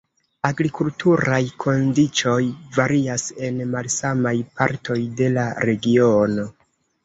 Agrikulturaj kondiĉoj varias en malsamaj partoj de la regiono.